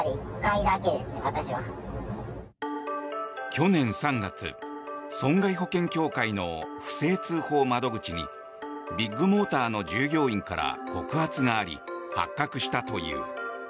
去年３月、損害保険協会の不正通報窓口にビッグモーターの従業員から告発があり、発覚したという。